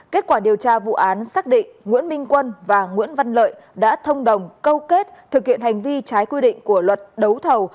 kết quả điều tra vụ án xác định nguyễn minh quân và nguyễn văn lợi đã thông đồng câu kết thực hiện hành vi trái quy định của luật đấu thầu